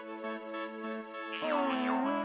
うん。